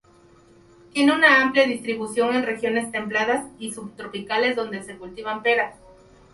Tiene una amplia distribución en regiones templadas y subtropicales donde se cultivan peras.